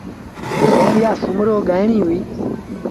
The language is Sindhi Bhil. ڦوزيآ سومرو ڳآئيڻيٚ اهي۔